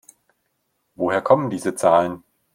Woher kommen diese Zahlen?